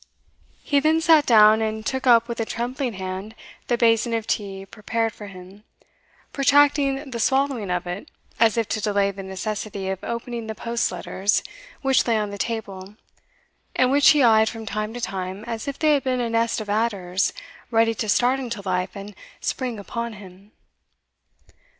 He then sate down, and took up with a trembling hand the basin of tea prepared for him, protracting the swallowing of it, as if to delay the necessity of opening the post letters which lay on the table, and which he eyed from time to time, as if they had been a nest of adders ready to start into life and spring upon him.